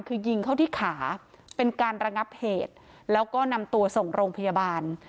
คือยิงเข้าที่ขาเป็นการระงับเหตุแล้วก็นำตัวส่งโรงพยาบาล